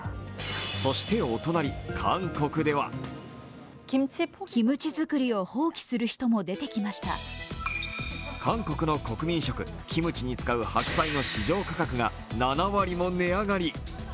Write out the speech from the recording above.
そしてお隣、韓国では韓国の国民食・キムチに使う白菜の市場価格が７割も値上がり。